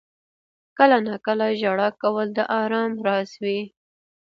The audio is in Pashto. • کله ناکله ژړا کول د آرام راز وي.